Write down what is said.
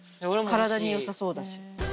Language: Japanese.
体に良さそうだし。